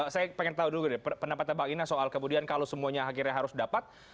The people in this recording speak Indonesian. saya pengen tahu dulu deh pendapatnya pak ginas soal kemudian kalau semuanya akhirnya harus dapat